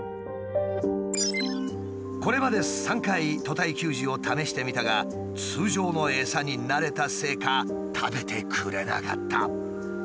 これまで３回屠体給餌を試してみたが通常のエサに慣れたせいか食べてくれなかった。